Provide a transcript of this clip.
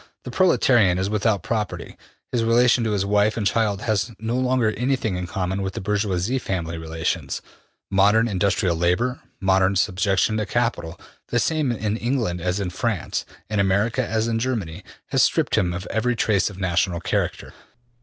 The proletarian is without property; his relation to his wife and children has no longer anything in common with the bourgeois family relations; modern industrial labor, modern subjection to capital, the same in England as in France, in America as in Germany, has stripped him of every trace of national character.